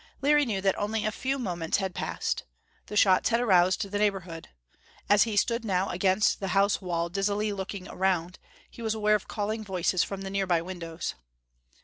Larry knew that only a few moments had passed. The shots had aroused the neighborhood. As he stood now against the house wall, dizzily looking around, he was aware of calling voices from the nearby windows.